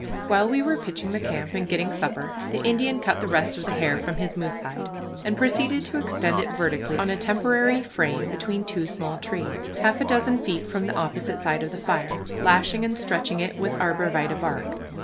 While we were pitching the camp and getting supper, the Indian cut the rest of the hair from his moose hide, and proceeded to extend it vertically on a temporary frame between two small trees, half a dozen feet from the opposite side of the fire, lashing and stretching it with arbor vitæ bark.